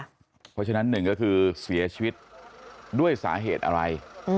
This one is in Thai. เพราะฉะนั้นหนึ่งก็คือเสียชีวิตด้วยสาเหตุอะไร